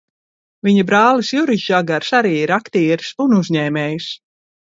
Viņa brālis Juris Žagars arī ir aktieris un uzņēmējs.